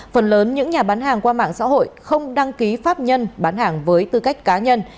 phần lớn những nhà bán hàng qua mạng xã hội không đăng ký pháp nhân bán hàng với tư cách cá nhân